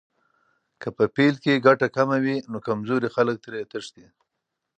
که په پیل کې ګټه کمه وي، نو کمزوري خلک ترې تښتي.